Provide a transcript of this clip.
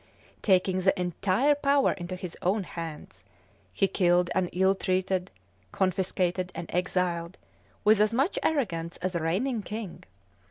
Taking the entire power into his own hands, he killed and ill treated, confiscated and exiled, with as much arrogance as a reigning king.